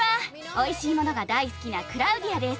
おいしいものが大好きなクラウディアです。